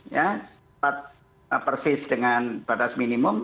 sempat persis dengan batas minimum